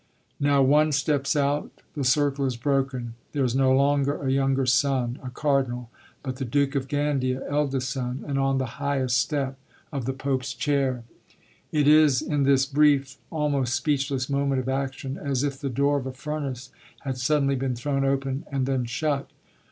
Now one steps out, the circle is broken; there is no longer a younger son, a cardinal, but the Duke of Gandia, eldest son and on the highest step of the Pope's chair. It is, in this brief, almost speechless moment of action, as if the door of a furnace had suddenly been thrown open and then shut.